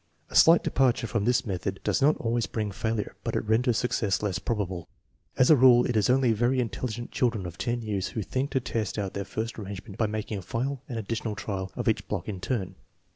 A slight departure from this method does not always bring failure, but it renders success less probable. As a rule it is only the very intelligent children of 10 years who think to test out their first arrangement by making a final and additional trial of each block in turn.